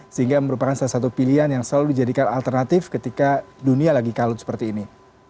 sehingga merupakan salah satu pilihan yang selalu dijadikan alternatif ketika dunia lagi kalut seperti ini